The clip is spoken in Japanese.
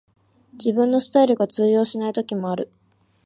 自分のスタイルが通用しない時もある